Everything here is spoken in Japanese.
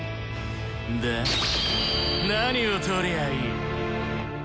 で何を盗りゃあいい？